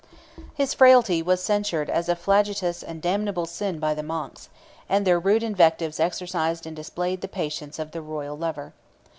His frailty was censured as a flagitious and damnable sin by the monks; and their rude invectives exercised and displayed the patience of the royal lover.